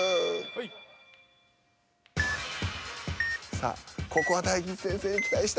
さあここは大吉先生に期待したい。